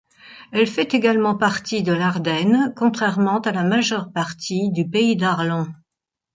Elle fait également partie de l’Ardenne, contrairement à la majeure partie du Pays d’Arlon.